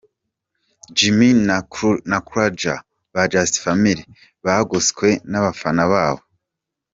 Jimmy na Croija ba Just Family bagoswe n'abafana babo.